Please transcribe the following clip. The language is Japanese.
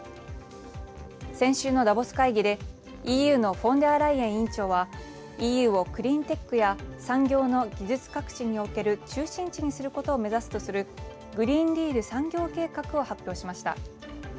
先週のダボス会議でＥＵのフォンデアライエン委員長はＥＵをクリーンテックや産業の技術革新における中心地にすることを目指すとするグリーン・ディール産業計画を発表しました。